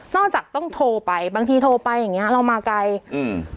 จากต้องโทรไปบางทีโทรไปอย่างเงี้เรามาไกลอืม